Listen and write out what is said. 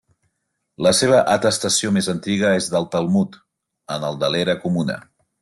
La seva atestació més antiga és del Talmud, en el de l'era comuna.